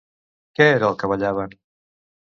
Què era el que ballaven?